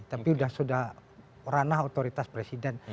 tapi sudah ranah otoritas presiden